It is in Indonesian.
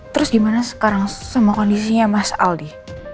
terus gimana sekarang semua kondisinya mas aldi